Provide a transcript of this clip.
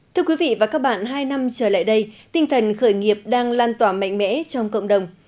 thưa quý vị và các bạn hai năm trở lại đây tinh thần khởi nghiệp đang lan tỏa mạnh mẽ trong cộng đồng